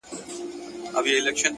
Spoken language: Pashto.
• داسي نه كړو؛